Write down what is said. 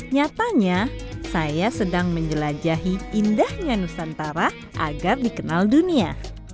nyatanya saya sedang menjelajahi indahnya nusantara agar dikenal dunia